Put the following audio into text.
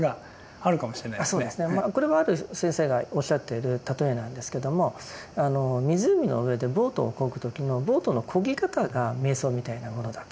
あそうですね。これはある先生がおっしゃっている例えなんですけども湖の上でボートをこぐ時のボートのこぎ方が瞑想みたいなものだと。